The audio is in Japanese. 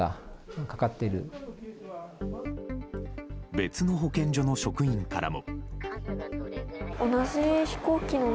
別の保健所の職員からも。